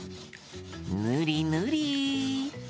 ぬりぬり。